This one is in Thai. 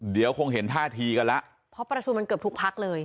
เดี๋ยวคงเห็นท่าทีกันแล้วเพราะประชุมมันเกือบทุกพักเลย